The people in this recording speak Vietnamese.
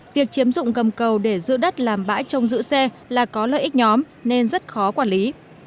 việc chiếm dụng gầm cầu để giữ đất làm bãi trông giữ xe là có lợi ích nhóm nên rất khó quản lý